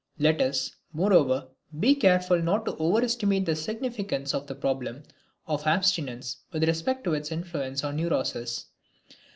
Let us, moreover, be careful not to overestimate the significance of the problem of abstinence with respect to its influence on neuroses.